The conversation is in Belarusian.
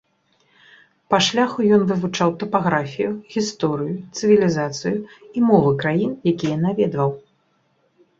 Па шляху ён вывучаў тапаграфію, гісторыю, цывілізацыі і мовы краін, якія наведваў.